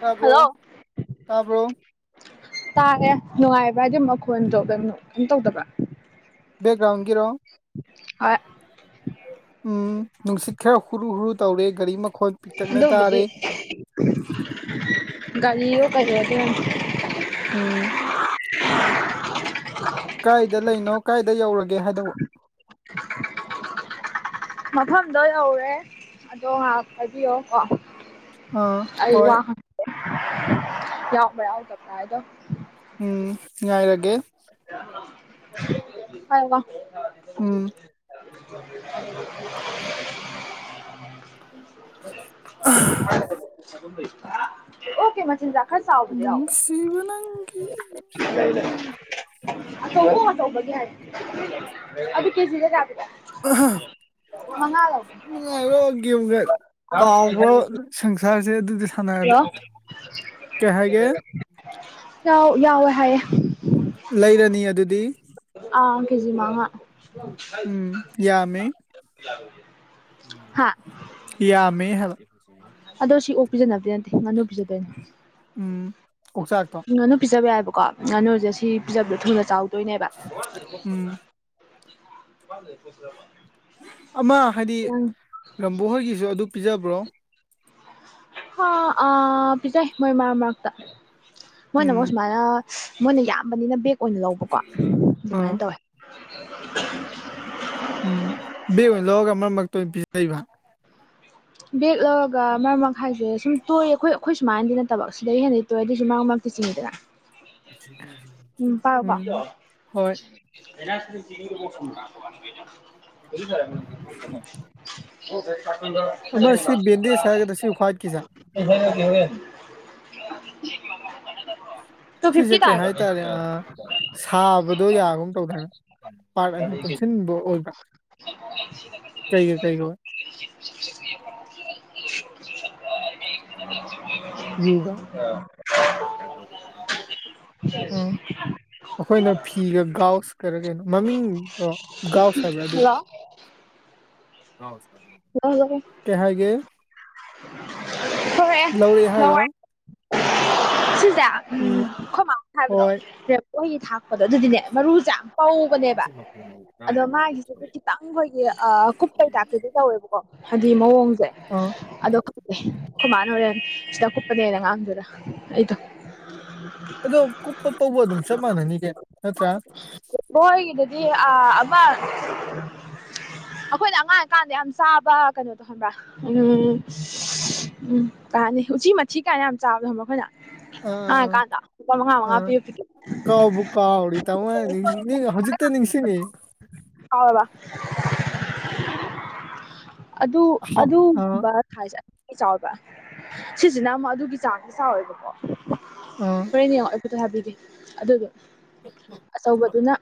ꯇꯥꯕ꯭ꯔꯣ ꯍꯜꯂꯣ ꯇꯥꯕ꯭ꯔꯣ ꯇꯥꯔꯦ ꯅꯨꯡꯉꯥꯏꯕ꯭ꯔꯥ ꯍꯥꯏꯗꯤ ꯃꯈꯣꯟꯗꯣ ꯀꯩꯅꯣ ꯀꯩꯝ ꯇꯧꯗꯕ꯭ꯔꯥ ꯕꯦꯛꯜ꯭ꯔꯥꯟꯗꯒꯤꯔꯣ ꯍꯣꯏ ꯎꯝ ꯅꯨꯡꯁꯤꯠ ꯈꯔ ꯍꯨꯔꯨ ꯍꯨꯔꯨ ꯇꯧꯔꯦ ꯒꯥꯔꯤ ꯃ ꯑꯗꯨꯕꯨꯗꯤ ꯒꯥꯔꯤꯒꯥ ꯀꯩꯒ ꯑꯗꯨꯝ ꯎꯝ ꯀꯥꯏꯗ ꯂꯩꯅꯣ ꯀꯥꯏꯗ ꯌꯧꯔꯒꯦ ꯍꯥꯏꯗꯧꯕ ꯃꯐꯝꯗꯣ ꯌꯧꯔꯦ ꯑꯗꯣ ꯉꯥꯏꯍꯥꯛ ꯍꯥꯏꯕꯤꯌꯣ ꯀꯣ ꯑꯥ ꯑ ꯍꯣꯏ ꯋꯥ ꯍꯟꯒꯦ ꯌꯥꯎꯕ ꯌꯥꯎ ꯗꯔꯕꯥ ꯍꯥꯏꯗꯣ ꯎꯝ ꯉꯥꯏꯔꯒꯦ [unintelligible] ꯎꯝ [unintelligible] ꯑꯣꯀꯤ ꯃꯆꯤꯟꯖꯥꯛ ꯈꯔ ꯆꯥꯎꯕꯗꯤ ꯌꯥꯎꯕꯔꯥ ꯅꯨꯡꯁꯤꯕ ꯅꯪꯒꯤ ꯎꯝ ꯑꯆꯧꯕꯥ ꯑꯣꯛ ꯑꯆꯧꯕꯒꯤ ꯍꯥꯏ ꯑꯗꯨ ꯀꯦꯖꯤꯗ ꯀꯌꯥ ꯄꯤꯒꯦ ꯑꯍꯥ ꯅꯨꯡꯉꯥꯏꯕꯔꯣ ꯒꯦꯝꯒꯥ ꯀꯥꯎꯕ꯭ꯔ ꯁꯪꯁꯥꯔꯁꯦ ꯑꯗꯨꯗꯤ ꯁꯥꯟꯅꯔꯗꯤ ꯍꯜꯂꯣ ꯀꯩ ꯍꯥꯏꯒꯦ ꯌꯥ ꯌꯥꯎꯋꯦ ꯍꯥꯏꯌꯦ ꯂꯩꯔꯅꯤ ꯑꯗꯨꯗꯤ ꯑ ꯀꯦꯖꯤ ꯃꯉꯥ ꯎꯝ ꯍꯥ ꯌꯥꯝ ꯃꯦ ꯍꯥꯌꯕ ꯑꯗꯣ ꯁꯤ ꯑꯣꯛ ꯄꯤꯖꯅꯕꯗ ꯅꯠꯇꯦ ꯉꯥꯅꯨ ꯄꯤꯖꯗꯣꯏꯅꯤ ꯎꯝ ꯑꯣꯛꯆꯥꯛꯇꯣ ꯉꯥꯅꯨ ꯄꯤꯖꯕ ꯌꯥꯏꯕꯀꯣ ꯉꯥꯅꯨꯁꯦ ꯁꯤ ꯄꯤꯖꯕꯗꯣ ꯊꯨꯅ ꯆꯥꯎꯗꯣꯏꯅꯦꯕ ꯎꯝ [unintelligible] ꯑꯃ ꯍꯥꯏꯗꯤ ꯅꯪ ꯂꯝꯕꯣ ꯍꯣꯏꯒꯤꯁꯨ ꯑꯗꯨ ꯄꯤꯖꯕ꯭ꯔꯣ ꯑ ꯑꯥ ꯄꯖꯩ ꯃꯣꯏ ꯃꯔꯛ ꯃꯔꯛꯇ ꯃꯣꯏꯅ ꯎꯝ ꯃꯣ ꯁꯨꯃꯥꯏꯅ ꯃꯣꯏꯅ ꯌꯥꯝꯕꯅꯤꯅ ꯕꯦꯛ ꯑꯣꯏꯅ ꯂꯧꯕꯀꯣ ꯑꯥ ꯑꯗꯨꯃꯥꯏꯅ ꯇꯧꯋꯦ [unintelligible] ꯎꯝ ꯕꯦꯛ ꯑꯣꯏꯅ ꯂꯧꯔꯒ ꯃꯔꯛ ꯃꯔꯛꯇ ꯑꯣꯏꯅ ꯄꯤꯖꯩꯕ ꯕꯦꯛ ꯂꯧꯔꯒ ꯃꯔꯛ ꯃꯔꯛ ꯍꯥꯏꯁꯦ ꯁꯨꯝ ꯇꯣꯏꯑ ꯑꯩꯈꯣꯏ ꯈꯣꯏ ꯁꯨꯃꯥꯏꯅꯗꯤ ꯅꯠꯇꯕ ꯁꯤꯗꯩꯩ ꯍꯦꯟꯗꯤ ꯇꯣ ꯑꯗꯨꯗꯤꯁꯨ ꯃꯔꯛ ꯃꯔꯛꯇꯥ [unintelligible] ꯎꯝ ꯍꯣꯏ [unintelligible] ꯑꯣ ꯊ [unintelligible] ꯑꯃ ꯁꯤ ꯕꯦꯟꯗꯦꯁ ꯍꯥꯏꯒꯗꯔꯥ ꯁꯤ ꯍ꯭ꯋꯥꯠꯀꯤ ꯁꯦ [unintelligible] ꯁꯤꯁꯦ ꯐꯤꯐꯇꯤ ꯀꯩ ꯇꯥꯔꯦ ꯍꯥꯏꯇꯥꯔꯦ ꯁꯥꯕꯗꯣ ꯌꯥꯒꯨꯝ ꯇꯧꯗꯥꯏꯅꯦ ꯄꯥꯔꯠ ꯄꯨꯟꯁꯤꯟꯕ ꯑꯣꯏꯕ ꯀꯩꯒ ꯀꯩꯒ [unintelligible] ꯌꯨꯒ ꯎꯝ [inaudible] ꯑꯩꯈꯣꯏꯅ ꯐꯤꯒ ꯒꯥꯎꯁ ꯈꯔ ꯀꯩꯅꯣ ꯃꯃꯤꯡꯗꯣ ꯒꯥꯎꯁ ꯍꯥꯏꯕ꯭ꯔꯥ ꯑꯗꯨꯗ ꯍꯜꯂꯣ [inaudible] [unintelligible] ꯀꯩꯍꯥꯏꯒꯦ ꯍꯣꯏ ꯂꯧꯔꯛꯑꯦ ꯍꯥꯏꯔꯣ ꯅꯨꯡꯋꯥꯏ ꯁꯤꯖꯥ ꯎꯝ ꯈꯣꯏ ꯃꯅꯥ ꯍꯥꯏꯕꯗꯣ ꯍꯣꯏ ꯃꯣꯏꯒꯤ ꯊꯥꯛꯄꯗꯣ ꯑꯗꯨꯗꯤꯅꯦ ꯃꯔꯨꯁꯦ ꯌꯥꯝ ꯄꯧꯕꯅꯦꯕ ꯑꯗꯣ [unintelligible] ꯃꯥꯒꯤꯁꯤꯗꯤ ꯈꯤꯇꯪ ꯑꯩꯈꯣꯏꯒꯤ ꯀꯨꯞꯄꯩ ꯇꯥꯏꯄꯇꯥꯗꯤ ꯇꯧꯋꯦꯕꯀꯣ ꯍꯥꯏꯗꯤ ꯃꯑꯣꯡꯁꯦ ꯑꯥ ꯑꯗꯣ ꯈꯪꯗꯦ ꯈꯣꯏ ꯃꯅꯥ ꯍꯨꯔꯦ ꯁꯤꯗ ꯀꯨꯞꯄꯅꯦꯅ ꯉꯥꯪ ꯉꯛ ꯇꯣꯏꯔꯥ ꯑꯩꯗꯣ ꯑꯗꯣ ꯀꯨꯞꯄ ꯄꯧꯕ ꯑꯗꯨꯝ ꯆꯞ ꯃꯥꯟꯅꯤ ꯀꯔꯤꯅꯣ ꯅꯠꯇ꯭ꯔꯥ ꯃꯣꯏꯒꯤꯗꯨꯗꯤ ꯑꯥ ꯑꯃꯥ ꯑꯩꯈꯣꯏꯅ ꯑꯉꯥꯡ ꯑꯣꯏꯀꯥꯟꯗ ꯌꯥꯝ ꯆꯥꯕ ꯀꯩꯅꯣꯗꯣ ꯈꯪꯕ꯭ꯔꯥ ꯎꯝ ꯎꯝ ꯇꯥꯅꯤ ꯎꯆꯤ ꯃꯊꯤ ꯀꯥꯏꯅ ꯌꯥꯝ ꯆꯥꯕꯗꯣꯕ ꯑꯩꯈꯣꯏꯅ ꯑ ꯀꯥꯗ ꯑ ꯀꯥꯎꯕꯨ ꯀꯥꯎ ꯎꯔꯤ ꯇꯃ [unintelligible] ꯍꯧꯖꯤꯛꯇ ꯅꯤꯡꯁꯤꯅꯤ ꯍꯥꯎꯕ [unintelligible] ꯑꯗꯨ ꯍꯥ ꯑꯗꯨ ꯑꯥ [unintelligible] ꯁꯦ ꯆꯥꯎꯕ ꯁꯤꯁꯤꯅ ꯑꯃꯨꯛ ꯑꯗꯨꯒꯤ ꯆꯥꯡꯁꯦ ꯆꯥꯎꯋꯦꯕꯀꯣ ꯑꯣ ꯍꯣꯔꯦꯟ ꯌꯦꯡꯉꯣ ꯑꯩꯐꯠꯇꯣ ꯍꯥꯏꯕꯤꯒꯦ ꯑꯗꯨꯗꯣ ꯑꯆꯧꯕꯗꯨꯅ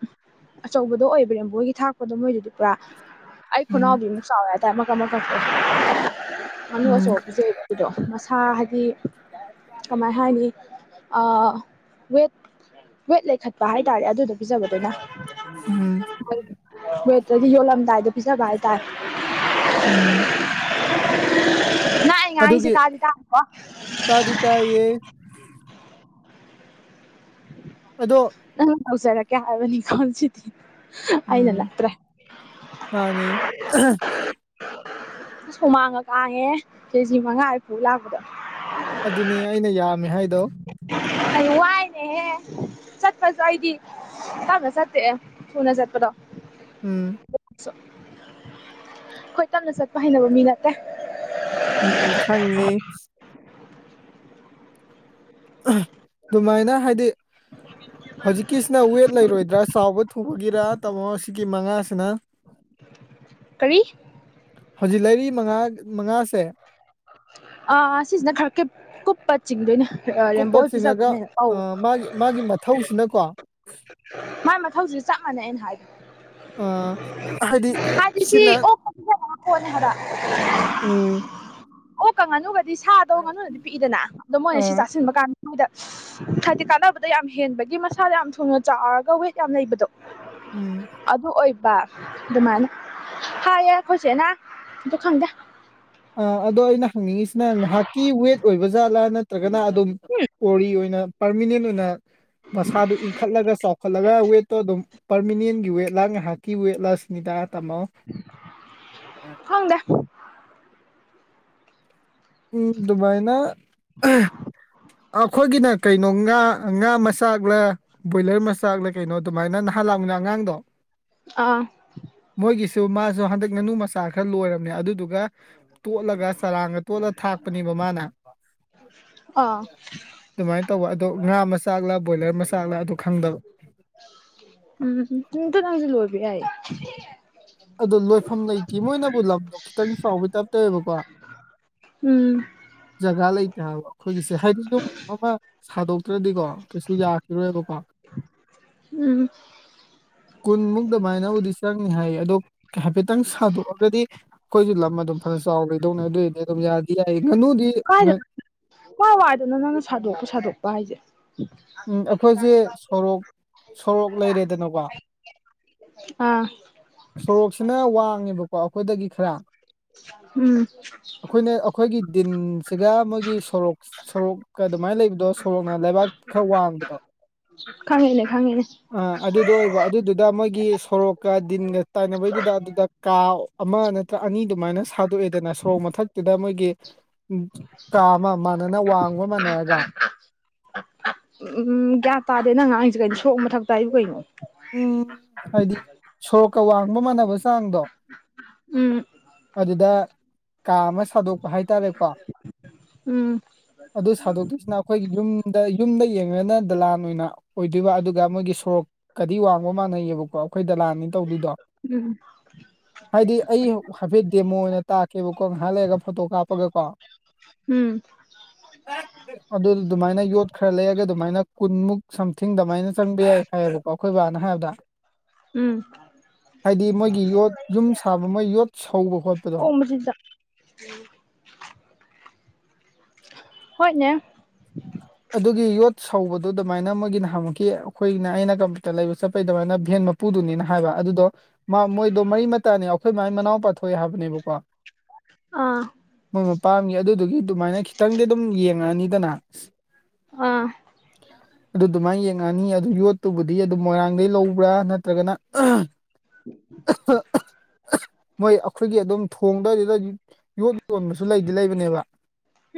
ꯑꯆꯧꯕꯗꯣ ꯑꯣꯏꯕ꯭ꯔꯥꯕꯣꯏꯒꯤ ꯊꯥꯛꯄꯗꯣ ꯃꯣꯏꯗꯨꯗꯤ ꯄꯨꯔꯥ ꯑꯩ ꯎꯝ ꯈꯨꯅꯥꯎꯗꯨ ꯁꯥꯎ [unintelligible] ꯉꯥꯅꯨ ꯎꯝ ꯑꯆꯧꯕ [unintelligible] ꯃꯁꯥ ꯍꯥꯏꯗꯤ ꯀꯃꯥꯏ ꯍꯥꯏꯅꯤ ꯋꯦꯠ ꯋꯦꯠ ꯂꯩꯈꯠꯄ ꯍꯥꯏꯇꯥꯔꯦ ꯑꯗꯨꯗꯣ ꯄꯤꯖꯕꯗꯨꯅ ꯎꯝ ꯋꯦꯠꯇꯗꯤ ꯌꯣꯜꯂꯝꯗꯥꯏꯗ ꯄꯤꯖꯕ ꯍꯥꯏꯇꯥꯔꯦ ꯎꯝ ꯑꯩꯅ ꯉꯥꯡꯏꯁꯦ ꯇꯥꯗꯤ ꯇꯥ [unintelligible] ꯇꯗꯤ ꯇ ꯌꯦ ꯑꯗꯣ [unintelligible] ꯍꯥꯏꯕꯅꯤ ꯀꯣꯟꯁꯤ ꯑꯩꯅ ꯎꯝ ꯂꯥꯛꯇ꯭ꯔꯦ ꯃꯥꯅꯤ ꯑꯁ ꯍꯨꯃꯥꯡꯉ ꯀꯥꯡꯉꯦ ꯀꯦꯖꯤ ꯃꯉꯥ ꯍꯐꯨ ꯂꯥꯛꯄꯗꯣ ꯑꯗꯨꯅꯦ ꯑꯩꯅ ꯌꯥꯝꯃꯦ ꯍꯥꯏꯗꯣ ꯑ ꯋꯥꯏꯅꯦ ꯍꯦ ꯆꯠꯄꯁꯨ ꯑꯩꯗꯤ ꯇꯪꯅ ꯆꯠꯇꯦ ꯊꯨꯅ ꯆꯠꯄꯗꯣ ꯎꯝ ꯑꯩꯈꯣꯏ ꯇꯞꯅ ꯆꯠꯄ ꯍꯩꯅꯕ ꯃꯤ ꯅꯠꯇꯦ ꯎꯝ ꯍꯪꯉꯦ ꯑꯗꯨꯃꯥꯏꯅ ꯍꯥꯏꯗꯤ ꯍꯧꯖꯤꯛꯀꯤꯁꯤꯅ ꯋꯦꯠ ꯂꯩꯔꯣꯏꯗ꯭ꯔꯥ ꯆꯥꯎꯕ ꯊꯨꯕꯒꯤꯔꯥ ꯇꯥꯃꯣ ꯁꯤꯒꯤ ꯃꯉꯥꯁꯤꯅ ꯀꯔꯤ ꯍꯧꯖꯤꯛ ꯂꯩꯔꯤ ꯃꯉꯥ ꯃꯉꯥꯁꯦ ꯑꯥ ꯁꯤꯁꯤꯅ ꯈꯔ ꯀꯩ ꯀꯨꯞꯄ ꯆꯤꯡꯗꯣꯏꯅꯦ ꯔꯦꯝꯕꯣ ꯀꯨꯞꯄ ꯆꯤꯡꯉꯒ ꯄꯤꯖꯕꯗꯨꯅ ꯍꯦꯟꯀꯧꯋ ꯑꯥ ꯃꯥꯒꯤ ꯃꯥꯒꯤ ꯃꯠ ꯊꯧꯁꯤꯅꯀꯣ ꯃꯥꯏ ꯃꯊꯧꯁꯤ ꯆꯞ ꯃꯥꯟꯅꯩ ꯑꯩꯅ ꯍꯥꯏꯗꯣ ꯑ ꯍꯥꯏꯗꯤ ꯍꯥꯏꯗꯤ ꯁꯤ ꯁꯤꯅ [unintelligible] ꯎꯝ ꯑꯣꯛꯀ ꯉꯥꯅꯨꯒꯗꯤ ꯁꯥꯗꯣ ꯉꯥꯅꯨꯅꯗꯤ ꯄꯤꯛꯏꯗꯅ ꯑꯗꯣ ꯃꯣꯏꯅ ꯁꯤ ꯑꯥ ꯆꯥꯁꯤꯟꯕ ꯀꯥꯟꯗ ꯃꯣꯏꯗ ꯍꯥꯏꯗꯤ ꯀꯥꯟꯅꯕꯗ ꯌꯥꯝ ꯍꯦꯟꯕꯒꯤ ꯃꯁꯥꯗ ꯌꯥꯝ ꯊꯨꯅ ꯆꯥꯎꯔꯒ ꯋꯦꯠ ꯌꯥꯝꯅ ꯂꯩꯕꯗꯣ ꯎꯝ ꯑꯗꯨ ꯑꯣꯏꯕ ꯑꯗꯨꯃꯥꯏꯅ ꯍꯥꯏꯌꯦ ꯑꯩꯈꯣꯏꯁꯦꯅ ꯑꯗꯨ ꯈꯪꯗꯦ ꯑ ꯑꯗꯣ ꯑꯩꯅ ꯍꯪꯅꯤꯡꯉꯤꯁꯤꯅ ꯉꯥꯏꯍꯥꯛꯀꯤ ꯋꯦꯠ ꯑꯣꯏꯕ ꯖꯥꯠꯂꯥ ꯅꯠꯇ꯭ꯔꯒꯅ ꯑꯗꯨꯝ ꯑꯣꯔꯤ ꯑꯣꯏꯅ ꯄꯥꯔꯃꯤꯅꯦꯟ ꯑꯣꯏꯅ ꯃꯁꯥꯗꯨ ꯏꯟꯈꯠꯂꯒ ꯆꯥꯎꯈꯠꯂꯒ ꯋꯦꯠꯇꯣ ꯑꯗꯨꯝ ꯄꯔꯃꯤꯅꯦꯟꯒꯤ ꯋꯦꯠ ꯂꯥꯡꯅ ꯀ ꯑꯣꯏꯋꯦꯠꯂꯁꯅꯤꯗꯥ ꯇꯥꯃꯣ [unintelligible] ꯍꯪꯗ ꯎꯝ ꯗꯨꯃꯥꯏꯅ ꯑꯩꯈꯣꯏꯒꯤꯅ ꯀꯩꯅꯣ ꯉꯥ ꯉꯥ ꯃꯆꯥꯛꯂ ꯕꯣꯏꯂꯔ ꯃꯆꯥꯛꯂ ꯀꯩꯅꯣ ꯑꯗꯨꯃꯥꯏꯅ ꯅꯍꯥꯟ ꯂꯥꯛꯃꯤꯟꯅꯕ ꯑꯉꯥꯡꯗꯣ ꯑꯥ [unintelligible] ꯃꯣꯏꯒꯤꯁꯨ ꯃꯥꯁꯨ ꯍꯟꯗꯛ ꯉꯥꯅꯨ ꯃꯆꯥ ꯈꯔ ꯂꯣꯏꯔꯝꯅꯦ ꯑꯗꯨꯗꯨꯒ ꯇꯣꯠꯂꯒ ꯆꯔꯥꯡꯒ ꯇꯣꯠꯂ ꯊꯥꯛꯄꯅꯦꯕ ꯃꯥꯅ ꯑꯥ ꯑꯗꯨꯃꯥꯏꯅ ꯇꯧꯕ ꯑꯗꯣ ꯉꯥ ꯃꯆꯥꯥꯛꯂ ꯕꯣꯏꯂꯔ ꯃꯆꯥ ꯆꯥꯛꯂ ꯑꯗꯨ ꯈꯪꯗꯕ ꯎꯝ ꯇ‌ꯣ ꯅꯪꯁꯨ ꯂꯣꯏꯕ ꯌꯥꯏꯌ‌ꯦ ꯑꯗ‌ꯣ ꯂꯣꯏꯐꯝ ꯂꯩꯇꯦ ꯃꯣꯏꯅꯕꯨ ꯂꯝꯗꯣ ꯈꯤꯇꯪ ꯆꯥꯎꯕꯩ ꯇꯥꯏꯞ ꯇꯧꯋꯦꯕꯀꯣ ꯎꯝ ꯖꯒꯥ ꯂꯩꯇꯦ ꯍꯥꯏꯕ ꯑꯩꯈꯣꯏꯒꯤꯁꯦ ꯍꯥꯏꯗꯤ ꯌꯨꯝ ꯑꯃ ꯁꯥꯗꯣꯛꯇ꯭ꯔꯗꯤꯀꯣ ꯀꯩꯁꯨ ꯌꯥꯈꯤꯔꯣꯏꯕ ꯀꯣ ꯎꯝ ꯀꯨꯟꯃꯨꯛ ꯗꯨꯃꯥꯏꯅꯕꯨꯗꯤ ꯆꯪꯅꯤ ꯍꯥꯏ ꯑꯗꯣ ꯍꯥꯏꯐꯦꯠꯇꯪ ꯁꯥꯗꯣꯛꯑꯒꯗꯤ ꯑꯩꯈꯣꯏꯒꯤ ꯂꯝ ꯑꯗꯨꯝ ꯐꯅ ꯆꯥꯎꯅ ꯂꯩꯗꯧꯅꯤ ꯑꯗꯨꯏꯗꯤ ꯑꯗꯨꯝ ꯌꯥ ꯌꯥꯏ ꯉꯥꯅꯨꯗꯤ ꯉ ꯀꯥꯏꯗꯅꯣ ꯀꯥꯏ ꯋꯥꯏꯗꯅ‌ꯣ ꯅꯪꯅ ꯁꯥꯗꯣꯛꯄ ꯁꯥꯗꯣꯛꯄ ꯍꯥꯏꯁꯦ ꯎꯝ ꯑꯩꯈꯣꯏꯁꯦ ꯁꯣꯔꯣꯛ ꯁꯣꯔꯣꯛ ꯂꯩꯔꯦꯗꯅꯀꯣ ꯑꯥ ꯁꯣꯔꯣꯛꯁꯤꯅ ꯋꯥꯡꯉꯦꯕꯀꯣ ꯑꯩꯈꯣꯏꯗꯒꯤ ꯈꯔ ꯎꯝ ꯑꯩꯈꯣꯏꯅ ꯑꯩꯈꯣꯏꯒꯤ ꯗꯤꯟꯁꯤꯒ ꯃꯣꯏꯒꯤ ꯁꯣꯔꯣꯛ ꯁꯣꯔꯣꯛꯀ ꯑꯗꯨꯃꯥꯏꯅ ꯂꯩꯕꯗꯣ ꯁꯣꯔꯣꯛꯅ ꯂꯩꯕꯥꯛ ꯈꯔ ꯋꯥꯡꯕꯗꯣ ꯈꯪꯉꯦꯅꯦ ꯈꯪꯉꯦꯅꯦ ꯑꯥ ꯑꯗꯨꯗꯣ ꯑꯣꯏꯕ ꯑꯗꯨꯗꯨꯗ ꯃꯣꯏꯒꯤ ꯁꯣꯔꯣꯛꯀ ꯗꯤꯟꯒ ꯇꯥꯏꯅꯕꯩꯗꯨꯗ ꯑꯗꯨꯗ ꯀꯥꯎ ꯑꯃ ꯅꯠꯇ꯭ꯔ ꯑꯅꯤ ꯑꯗꯨꯃꯥꯏꯅ ꯁꯥꯗꯣꯛꯑꯦꯗꯅ ꯁꯣꯔꯣꯛ ꯃꯊꯛꯇꯨꯗ ꯃꯣꯏꯒꯤ ꯎꯝ ꯀꯥꯃ ꯃꯥꯟꯅꯅ ꯋꯥꯡꯕ ꯃꯥꯟꯅꯔꯒ ꯎꯝ ꯒ꯭ꯌꯥꯟ ꯇꯥꯗꯦ ꯅꯪ ꯉꯥꯡꯉꯤꯁꯦ ꯀꯩꯅꯣ ꯁꯣꯔ‌ꯣꯛ ꯃꯊꯛꯇ ꯍꯥꯏꯕꯨ ꯀꯩꯅꯣ ꯎꯝ ꯍꯥꯏꯗꯤ ꯁꯣꯔꯣꯛꯀ ꯋꯥꯡꯕ ꯃꯥꯟꯅꯕ ꯆꯥꯡꯗꯣ ꯎꯝ ꯑꯗꯨꯗ ꯀꯥ ꯑꯃ ꯁꯥꯗꯣꯛꯄ ꯍꯥꯏꯇꯥꯔꯦꯀꯣ ꯎꯝ ꯑꯗꯨ ꯁꯥꯗꯣꯛꯇꯣꯏꯁꯤꯅ ꯑꯩꯈꯣꯏꯒꯤ ꯌꯨꯝꯗ ꯌꯨꯝꯗ ꯌꯦꯡꯉꯒꯅ ꯗꯂꯥꯟ ꯑꯣꯏꯅ ꯑꯣꯏꯗꯣꯏꯕ ꯑꯗꯨꯒ ꯃꯣꯏꯒꯤ ꯁꯣꯔꯣꯛꯀꯗꯤ ꯋꯥꯡꯕ ꯃꯥꯟꯅꯩꯌꯦꯕꯀꯣ ꯑꯩꯈꯣꯏ ꯗꯣꯂꯥꯟꯅꯤ ꯇꯧꯗꯣꯏꯗꯣ ꯎꯝ ꯍꯥꯏꯗꯤ ꯑꯩ ꯍꯥꯏꯐꯦꯠ ꯗꯦꯃꯣ ꯑꯣꯏꯅ ꯇꯥꯛꯀꯦꯕꯀꯣ ꯉꯥꯏꯍꯥꯛ ꯂꯩꯔꯒ ꯐꯣꯇꯣ ꯀꯥꯞꯄꯒ ꯀꯣ ꯎꯝ [unintelligible] ꯑꯗꯨ ꯑꯗꯨꯃꯥꯏꯅ ꯌꯣꯠ ꯈꯔ ꯂꯩꯔꯒ ꯑꯗꯨꯃꯥꯏꯅ ꯀꯨꯟꯃꯨꯛ ꯁꯝꯊꯤꯡ ꯑꯗꯨꯃꯥꯏꯅ ꯆꯪꯕ ꯌꯥꯏ ꯍꯥꯏꯕ ꯑꯣ ꯑꯩꯈꯣꯏ ꯕꯥꯅ ꯍꯥꯏꯕꯗ ꯎꯝ ꯍꯥꯏꯗꯤ ꯃꯣꯏꯒꯤ ꯌꯣꯠ ꯌꯨꯝ ꯁꯥꯕ ꯃꯣꯏ ꯌꯣꯠ ꯁꯧꯕ ꯈꯣꯠꯄꯗꯣ ꯑꯣꯛ ꯃꯆꯤꯟꯖꯥꯛ ꯍꯣꯏꯅꯦ ꯑꯗꯨꯒꯤ ꯌꯣꯠ ꯁꯧꯕꯗꯨ ꯑꯗꯨꯃꯥꯏꯅ ꯃꯣꯏꯒꯤ ꯅꯍꯥꯟꯃꯨꯛꯈꯤ ꯑꯩꯈꯣꯏꯅ ꯑꯩꯅ ꯀꯝꯄ꯭ꯌꯨꯇꯔ ꯂꯩꯕ ꯆꯠꯄꯩ ꯑꯗꯨꯃꯥꯏꯅ ꯚꯦꯟ ꯃ ꯄꯨꯗꯨꯅꯤꯅ ꯍꯥꯏꯕ ꯑꯗꯨꯗꯣ ꯃꯥ ꯃꯣꯏꯗꯣ ꯃꯔꯤ ꯃꯇꯥꯅꯦ ꯑꯩꯈꯣꯏ ꯃꯥꯏ ꯃꯅꯥꯎ ꯄꯥꯊꯣꯛꯑꯦ ꯍꯥꯏꯕꯅꯦꯕꯀꯣ ꯑꯥ ꯄꯥꯝꯈꯤ ꯑꯗꯨꯗꯨꯒꯤ ꯑꯗꯨꯃꯥꯏꯅ ꯈꯤꯇꯪꯗꯤ ꯑꯗꯨꯝ ꯌꯦꯡꯉꯛꯑꯅꯤꯗꯅ ꯑꯥ [unintelligible] ꯑꯗꯨ ꯑꯗꯨꯃꯥꯏꯅ ꯌꯦꯡꯉꯛꯑꯅꯤ ꯑꯗꯨ ꯌꯣꯠꯇꯨꯕꯨꯗꯤ ꯑꯗꯨꯝ ꯃꯣꯏꯔꯥꯡꯗꯒꯤ ꯂꯧꯕ꯭ꯔꯥ ꯅꯠꯇ꯭ꯔꯒꯅ [unintelligible] ꯃꯣꯏ ꯑꯩꯈꯣꯏꯒꯤ ꯑꯗꯨꯝ ꯊꯣꯡꯗꯥꯏꯗꯨꯗ ꯗꯨꯝ ꯌꯣꯠ ꯌꯣꯟꯕꯁꯨ ꯂꯩꯗꯤ ꯂꯩꯕꯅꯦꯕ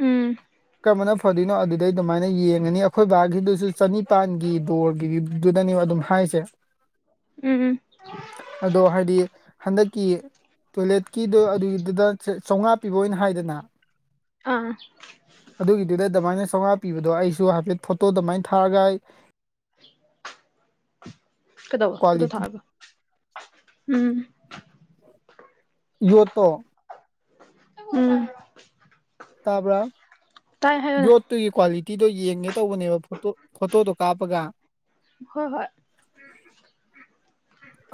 ꯎꯝ ꯀꯔꯃꯅ ꯐꯗꯣꯏꯅꯣ ꯑꯗꯨ ꯑꯗꯨꯗꯩ ꯑꯗꯨꯃꯥꯏꯅ ꯌꯦꯡꯉꯅꯤ ꯑꯩꯈꯣꯏ ꯕꯥꯒꯤꯗꯨꯁꯨ ꯆꯅꯤꯄꯥꯟꯒꯤ ꯗꯣꯔꯒꯤꯗꯨꯗꯅꯦꯕ ꯑꯗꯨꯝ ꯍꯥꯏꯁꯦ [inaudible] ꯎꯝ ꯑꯗꯣ ꯍꯥꯏꯗꯤ ꯍꯟꯗꯛꯀꯤ ꯇꯣꯏꯂꯦꯠꯀꯤꯗꯨ ꯑꯗꯨꯒꯤꯗꯨꯗ ꯆꯝꯉꯥ ꯄꯤꯕ ꯑꯣꯏꯅ ꯍꯥꯏꯗꯅ ꯑꯥ ꯑꯗꯨꯒꯤꯗꯨꯗ ꯑꯗꯃꯥꯏꯅ ꯆꯧꯉꯥ ꯄꯤꯕꯗꯣ ꯑꯩꯁꯨ ꯍꯥꯏꯐꯦꯠ ꯐꯣꯇꯣ ꯗꯨꯃꯥꯏꯅ ꯊꯥꯔꯒ ꯑꯩ ꯀꯩꯗꯧꯕ ꯐ‌ꯣꯇꯣ ꯀ꯭ꯋꯥꯂꯤꯇꯤ ꯊꯥꯔꯒ ꯎꯝ ꯌꯣꯠꯇꯣ ꯎꯝ ꯇꯥꯕ꯭ꯔꯥ ꯇꯥꯏ ꯍꯥꯏꯌꯣꯅꯦ ꯇꯨꯒꯤ ꯀ꯭ꯋꯥꯂꯤꯇꯤꯗꯣ ꯌꯦꯡꯒꯦ ꯇꯧꯕꯅꯦꯕ ꯐꯣꯇꯣ ꯐꯣꯇꯣꯗꯣ ꯀꯥꯞꯄꯒ ꯍꯣꯏ ꯍꯣꯏ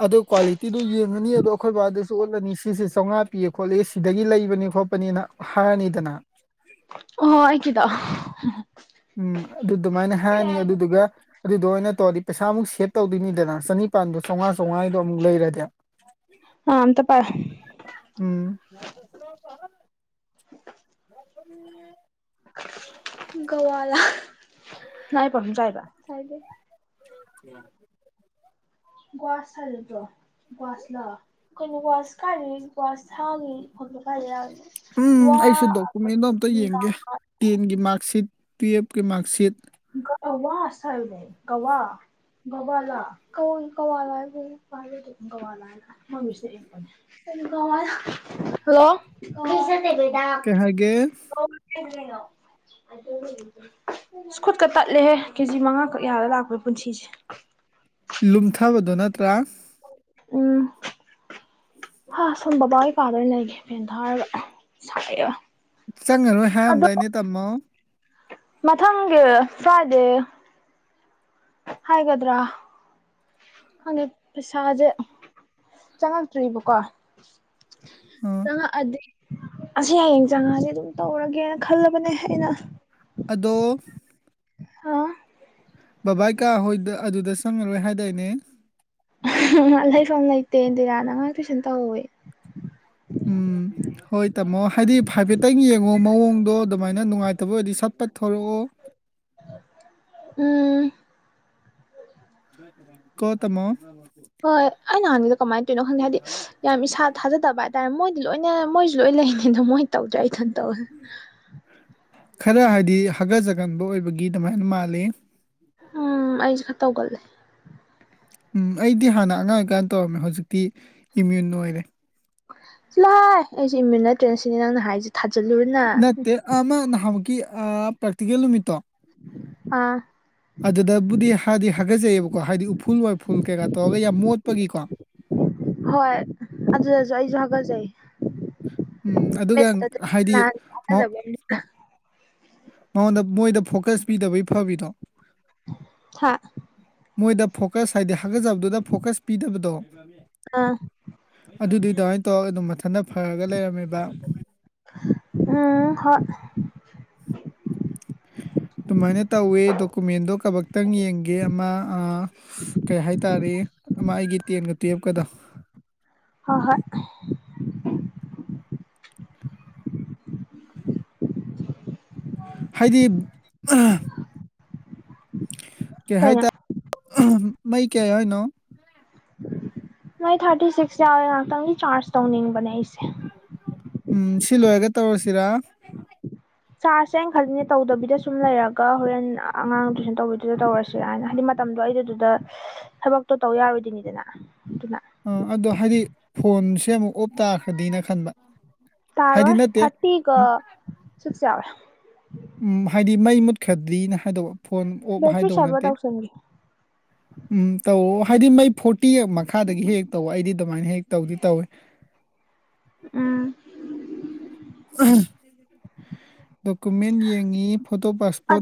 ꯑꯗꯣ ꯀ꯭ꯋꯥꯂꯤꯇꯤꯗꯨ ꯌꯦꯡꯉꯅꯤ ꯑꯗꯣ ꯑꯩꯈꯣꯏ ꯕꯥꯗꯁꯨ ꯎꯠꯂꯅꯤ ꯁꯤꯁꯦ ꯆꯧꯉꯥ ꯄꯤꯌꯦ ꯈꯣꯠꯂꯦ ꯁꯤ ꯁꯤꯗꯒꯤ ꯂꯩꯕꯅꯤ ꯈꯣꯠꯄꯅꯤꯅ ꯍꯥꯏꯔꯅꯤꯗꯅ ꯑꯣꯍꯣ ꯑꯩꯀꯤꯗꯣ ꯑꯣꯍꯣ ꯎꯝ ꯑꯗꯨ ꯗꯨꯃꯥꯏꯅ ꯍꯥꯏꯔꯅꯤ ꯑꯗꯨꯗꯨꯒ ꯑꯗꯨꯗꯣ ꯑꯣꯏꯅ ꯇꯧꯔꯗꯤ ꯄꯩꯁꯥꯃꯨꯛ ꯁꯦꯚ ꯇꯧꯗꯣꯏꯅꯤꯗꯅ ꯆꯅꯤ ꯄꯥꯟꯗꯣ ꯆꯧꯉꯥ ꯆꯧꯉꯥꯏꯗꯣ ꯑꯃꯨꯛ ꯂꯩꯔꯗꯤ ꯑ ꯑꯝꯇ ꯄꯥꯏꯌꯨ ꯎꯝ [unintelligible] [inaudible] [inaudible] ꯒꯋꯥꯂꯥ ꯅꯪ ꯑꯩ ꯄꯥꯐꯤꯝ ꯆꯥꯏꯕ ꯆꯥꯏꯗꯦ [inaudible] ꯒ꯭ꯋꯥ ꯁꯜꯇꯣ ꯒ꯭ꯋꯥꯁꯂꯣ ꯀꯩꯅꯣ ꯒ꯭ꯋꯥꯁ ꯀꯥꯏꯗꯒꯤ ꯒ꯭ꯋꯥꯁ ꯊꯥꯒꯤ [unintelligible] ꯌꯥꯎꯔꯤꯅꯣ ꯋꯥ ꯀꯩꯅꯣꯝꯇ ꯌꯦꯡꯒꯦ ꯇꯦꯟꯒꯤ ꯃꯥꯛꯁꯤꯠ ꯇꯨꯌꯦꯞꯀꯤ ꯃꯥꯛꯁꯤꯠ ꯒ ꯑ ꯋꯥꯁ ꯍꯥꯥꯏꯕꯅꯦ ꯒꯋꯥ ꯒꯋꯥꯂꯥ ꯀꯑꯣꯟ ꯀꯋꯥꯂ ꯍꯥꯏꯕ ꯃꯥꯜꯂꯦ ꯑꯩꯗꯤ ꯒꯋꯥꯂꯥ ꯍꯥꯏꯅ ꯃꯣꯢ ꯃꯤꯁꯅ ꯏꯔꯛꯄꯅꯦ [inaudible] ꯍꯜꯂꯣ [unintelligible] ꯀꯩ ꯍꯥꯏꯒꯦ [unintelligible] ꯁꯀꯨꯠꯀ ꯇꯠꯂꯦꯍꯦ ꯀꯦꯖꯤ ꯃꯉꯥꯈꯛ ꯌꯥꯔꯒ ꯂꯥꯛꯄ ꯄꯨꯟꯁꯤꯁꯦ ꯂꯨꯝꯊꯕꯗꯣ ꯅꯠꯇ꯭ꯔꯥ ꯎꯝ ꯍꯥꯥ ꯁꯣꯝ ꯕꯥꯕꯥꯍꯣꯏ ꯀꯥꯗ ꯑꯣꯏꯅ ꯂꯩꯒꯦ ꯐꯦꯟ ꯊꯥꯔꯒ ꯁꯥꯌꯦꯕ ꯆꯪꯉꯔꯣꯏ ꯍꯥꯏꯔꯝꯗꯥꯏꯅꯦ ꯇꯝꯃꯣ ꯃꯊꯪꯒꯤ ꯐ꯭ꯔꯥꯏꯗꯦ ꯍꯥꯏꯒꯗ꯭ꯔꯥ ꯈꯪꯉꯦ ꯄꯩꯁꯥꯁꯦ ꯆꯪꯉꯛꯇ꯭ꯔꯤꯕꯀꯣ ꯑ ꯆꯉꯛꯑꯗꯤ ꯑꯁ ꯍꯌꯦꯡ ꯆꯪꯉꯗꯤ ꯑꯗꯨꯝ ꯇꯧꯔꯒꯦꯅ ꯈꯜꯂꯕꯅꯦ ꯑꯩꯅ ꯑꯗꯣ ꯑꯥ ꯕꯕꯥ ꯀꯥ ꯍꯣꯏꯗ ꯑꯗꯨꯗ ꯆꯪꯉꯔꯣꯏ ꯍꯥꯏꯗꯥꯏꯅꯦ ꯂꯩꯐꯝ ꯂꯩꯇꯦ ꯏꯟꯗꯤꯔꯥꯅ ꯑꯉꯥꯡ ꯇꯨꯏꯁꯟ ꯇꯧꯋꯦ ꯎꯝ ꯍꯣꯏ ꯇꯥꯝꯃꯣ ꯍꯥꯏꯗꯤ ꯐꯥꯏꯐꯦꯠꯇꯪ ꯌꯦꯡꯉꯣ ꯃꯑꯣꯡꯗꯣ ꯑꯗꯨꯃꯥꯏꯅ ꯅꯨꯡꯉꯥꯏꯇꯕ ꯑꯣꯏꯔꯗꯤ ꯁꯠ ꯐꯠ ꯊꯣꯂꯛꯑꯣ ꯎꯝ ꯀꯣ ꯇꯃꯣ ꯍꯣꯏ ꯑꯩ ꯅꯍꯥꯟꯒꯤꯗꯣ ꯀꯃꯥꯏꯅ ꯇꯧꯔꯤꯅꯣ ꯈꯪꯗꯦ ꯍꯥꯏꯗꯤ ꯌꯥꯝ ꯏꯁꯥ ꯊꯥꯖꯗꯕ ꯇꯥꯏ ꯃꯣꯏꯗꯤ ꯂꯣꯏꯅ ꯃꯣꯏꯁꯨ ꯂꯣꯏ ꯂꯩꯅꯤ ꯑꯗꯣ ꯃꯣꯏ ꯇꯧꯗ꯭ꯔꯦ ꯏꯊꯟ ꯇꯧꯋꯦ ꯈꯔ ꯍꯥꯏꯗꯤ ꯍꯒꯠꯆꯒꯟꯕ ꯑꯣꯏꯕꯒꯤ ꯑꯗꯨꯃꯥꯏꯅ ꯃꯥꯜꯂꯤ ꯎꯝ ꯑꯩꯁꯦ ꯈꯔ ꯇꯧꯒꯠꯂꯦ ꯎꯝ ꯑꯩꯗꯤ ꯍꯥꯟꯅ ꯑꯉꯥꯡ ꯑꯣꯏꯀꯥꯟꯗ ꯇꯧꯔꯝꯃꯦ ꯍꯧꯖꯤꯛꯇꯤ ꯏꯃ꯭ꯌꯨꯟ ꯑꯣꯏꯔꯦ ꯆꯥꯠꯂꯣꯍꯥꯏ ꯑꯩꯁꯦ ꯏꯃ꯭ꯌꯨꯟ ꯅꯠꯇ꯭ꯔꯦ ꯁꯤꯅꯦ ꯅꯪꯅ ꯍꯥꯏꯁꯦ ꯊꯥꯖꯤꯜꯂꯨꯔ ꯅꯪ ꯑꯃꯥ ꯅꯍꯥꯟꯃꯨꯛꯀꯤ ꯑꯥ ꯄ꯭ꯔꯛꯇꯤꯀꯦꯜ ꯅꯨꯃꯤꯠꯇꯣ ꯑꯥ ꯑꯗꯨꯗꯕꯨꯗꯤ ꯍꯥꯏꯗꯤ ꯍꯥꯒꯠꯆꯩꯑꯕꯀꯣ ꯍꯥꯏꯗꯤ ꯎꯐꯨꯜ ꯋꯥꯏꯐꯨꯜ ꯀꯩꯀꯥ ꯇꯧꯔꯒ ꯌꯥꯝ ꯃꯣꯠꯄꯒꯤꯀꯣ ꯍꯣꯏ ꯑꯗꯨꯗꯗꯤ ꯑꯩꯁꯨ ꯍꯥꯒꯠꯆꯩ ꯎꯝ ꯑꯗꯨꯒ ꯃꯤꯠꯇꯗꯤ ꯍꯥꯏꯗꯤ ꯅꯍꯥꯟ ꯃꯥ- [unintelligible] ꯃꯉꯣꯟꯗ ꯃꯣꯏꯗ ꯐꯣꯀ꯭ꯥꯁ ꯄꯤꯗꯕꯒꯤ ꯐꯕꯤꯗꯣ ꯍꯥ ꯃꯣꯏꯗ ꯐꯣꯀꯥ꯭ꯁ ꯍꯥꯏꯗꯤ ꯍꯥꯒꯠꯆꯕꯗꯨꯅ ꯐꯣꯀꯥ꯭ꯁ ꯄꯤꯗꯕꯗꯣ ꯑꯥ ꯑꯗꯨꯗꯨꯗꯤ ꯑꯗꯨꯃꯥꯏꯅ ꯇꯧꯔꯒ ꯑꯗꯨꯝ ꯃꯊꯟꯇ ꯐꯔꯒ ꯂꯩꯔꯝꯃꯤꯕ ꯎꯝ ꯍꯣꯏ ꯑꯗꯨꯃꯥꯏꯅ ꯇꯧꯋꯦ ꯗꯣꯀꯨꯃꯦꯟꯗꯣ ꯀꯕꯛꯇꯪ ꯌꯦꯡꯒꯦ ꯑꯃ ꯑ ꯀꯩ ꯍꯥꯏꯇꯥꯔꯦ ꯑꯃ ꯑꯩꯒꯤ ꯇꯦꯟꯒ ꯇꯨꯌꯦꯜꯞꯀꯗꯣ ꯍꯣꯏ ꯍꯣꯏ ꯍꯥꯏꯗꯤ ꯀꯩ ꯀꯩꯅꯣ ꯍꯥꯏꯇꯥ ꯑꯍꯝ ꯃꯩ ꯀꯌꯥ ꯌꯥꯎꯔꯤꯅꯣ ꯃꯩ ꯊꯥꯔꯇꯤ ꯁꯤꯛꯁ ꯌꯥꯎꯋꯦ ꯉꯥꯏꯍꯥꯛꯇꯪ ꯆꯥꯔꯖ ꯇꯧꯅꯤꯡꯕꯅꯦ ꯑꯩꯁꯦ ꯎꯝ ꯁꯤ ꯂꯣꯏꯔꯒ ꯇꯧꯔꯁꯤꯔꯥ ꯆꯥꯔ꯭ꯁ ꯁꯦ ꯑꯩꯅ ꯈꯜꯂꯤꯅ ꯇꯧꯗꯕꯤꯗ ꯁꯨꯝ ꯂꯩꯔꯒ ꯍꯣꯔꯦꯟ ꯑꯉꯥꯡ ꯇꯨꯋꯏꯁꯟ ꯇꯧꯕꯩꯗꯨꯗ ꯇꯧꯔꯁꯤꯔꯅ ꯍꯥꯏꯗꯤ ꯃꯇꯝꯗꯣ ꯑꯩ ꯗꯨꯗ ꯊꯕꯛꯇꯣ ꯇꯧ ꯌꯥꯔꯣꯏꯗꯣꯏꯅꯤꯗꯅ ꯑꯗꯨꯅ ꯑꯥ ꯑꯗꯣ ꯍꯥꯏꯗꯤ ꯐꯣꯟꯁꯦ ꯑꯃꯨꯛ ꯑꯣꯞ ꯇꯥꯈ꯭ꯔꯗꯤꯅ ꯈꯟꯕ ꯍꯥꯏꯗꯤ ꯇꯥꯔꯣꯏ ꯅꯠꯇꯦ ꯊꯥꯔꯇꯤꯒ ꯎꯝ ꯁꯤꯛꯁ ꯌꯥꯎꯔꯦ ꯎꯝ ꯍꯥꯏꯗꯤ ꯃꯩ ꯃꯨꯠꯈ꯭ꯔꯗꯤꯅ ꯍꯥꯏꯗꯧꯕ ꯐꯣꯟ ꯑꯣꯞ ꯕꯦꯇ꯭ꯔꯤ ꯍꯥꯏꯗꯧ ꯁꯦꯕꯔ ꯅꯠꯇꯦ ꯇꯧꯁꯟꯒꯦ ꯎꯝ ꯇꯧ ꯍꯥꯏꯗꯤ ꯃꯩ ꯐꯣꯔꯇꯤ ꯃꯈꯥꯗꯒꯤ ꯍꯦꯛ ꯇꯧ ꯑꯩꯗꯤ ꯑꯗꯨꯃꯥꯏꯅ ꯍꯦꯛ ꯇꯧꯗꯤ ꯇꯧꯋꯤ ꯎꯝ ꯗꯣꯀꯨꯃꯦꯟ ꯌꯦꯡꯉꯤ ꯐꯣꯇꯣ ꯄꯥꯁꯄꯣꯠ ꯑꯗꯣ